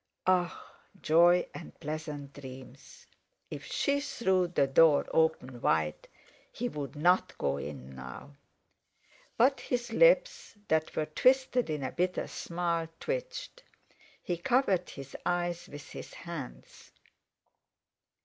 Ah! Joy and pleasant dreams! If she threw the door open wide he would not go in now! But his lips, that were twisted in a bitter smile, twitched; he covered his eyes with his hands....